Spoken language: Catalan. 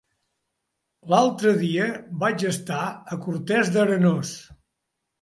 L'altre dia vaig estar a Cortes d'Arenós.